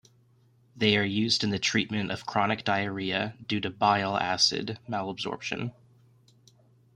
They are used in the treatment of chronic diarrhea due to bile acid malabsorption.